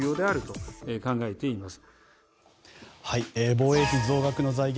防衛費増額の財源